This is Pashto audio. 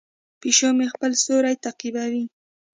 پیشو مې خپل سیوری تعقیبوي.